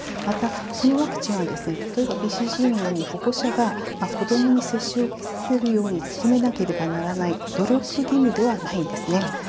また、このワクチンは例えばＢＣＧのように保護者が子どもに接種を受けさせるように努めなければならない努力義務ではないんですね。